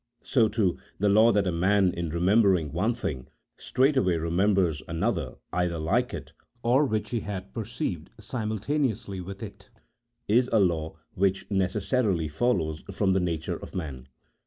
So, too, the law that a man in remembering one tiling, straightway remembers another either like it, or which he had perceived simultaneously with it, is a law which necessarily follows from the nature of man.